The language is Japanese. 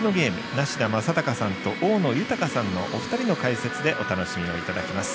梨田昌孝さんと大野豊さんのお二人の解説でお楽しみをいただきます。